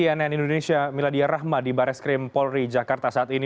kenn indonesia miladia rahma di bareskrim polri jakarta saat ini